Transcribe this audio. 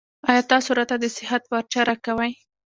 ایا تاسو راته د صحت پارچه راکوئ؟